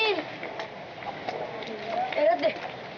ya lihat deh